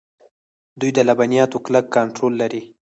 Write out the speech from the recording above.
دوی د لبنیاتو کلک کنټرول لري.